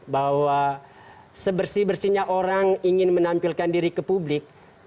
bahwa sebersih bersihnya orang ingin menampilkan diri ke publik